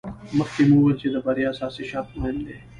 مخکې مو وویل چې د بریا اساسي شرط مهم دی.